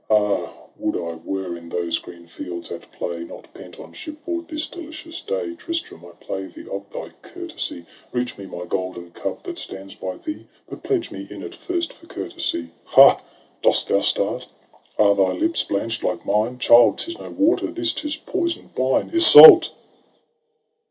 —' Ah, would I were in those green fields at play, Not pent on ship hoard this delicious day ! Tristram, I pray thee, of thy courtesy, Reach me my golden cup that stands hy thee, But pledge me in it first for courtesy. —' Ha ! dost thou start ? are thy lips blanch' d like mine ? Child, 'tis no water this, 'tis poison'd wine ! Iseult!